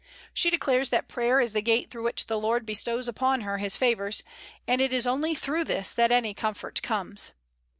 She declares that prayer is the gate through which the Lord bestows upon her His favors; and it is only through this that any comfort comes.